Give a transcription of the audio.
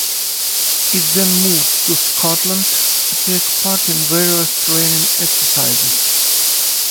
It then moved to Scotland to take part in various training exercises.